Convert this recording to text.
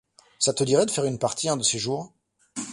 ça te dirait de faire une partie un de ces jours ?